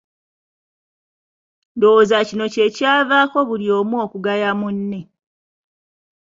Ndowooza kino kyekyavaako buli omu okugaya munne.